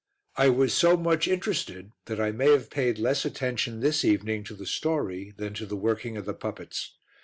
I was so much interested that I may have paid less attention this evening to the story than to the working of the puppets.